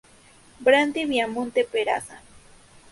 Brandy Viamonte Peraza.